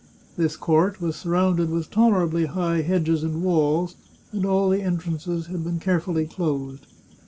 This court was sur rounded with tolerably high hedges and walls, and all the entrances had been carefully closed.